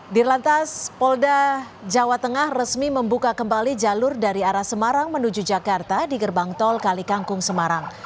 di lantas polda jawa tengah resmi membuka kembali jalur dari arah semarang menuju jakarta di gerbang tol kalikangkung semarang